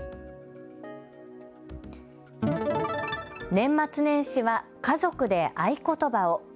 年末年始は家族で合言葉を。